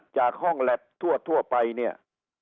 จากห้องแล็บทั่วไปเนี่ย